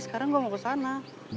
sekarang gue mau kesana